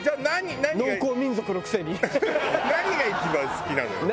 何が一番好きなのよ？